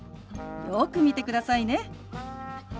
よく見てくださいね。